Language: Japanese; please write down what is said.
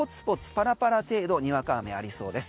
パラパラ程度にわか雨ありそうです。